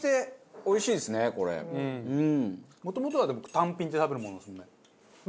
もともとはでも単品で食べるものですよね？